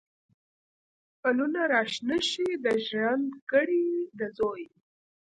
پلونه را شنه شي، د ژرند ګړی د زوی